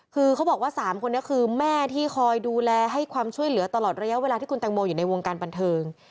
คือเขาบอกว่า๓คนนี้คือแม่ที่คอยดูแลให้ความช่วยเหลือตลอดระยะเวลาที่คุณแตงโมอยู่ในวงการบันเทิง